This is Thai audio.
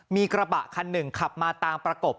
มีกระบะคันหนึ่งขับมาตามประกบ